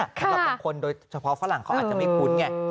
สำหรับบางคนโดยเฉพาะฝรั่งเขาอาจจะไม่คุ้นไง